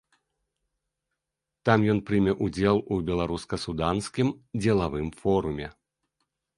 Там ён прыме ўдзел у беларуска-суданскім дзелавым форуме.